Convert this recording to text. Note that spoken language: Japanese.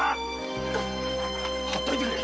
ほっといてくれ！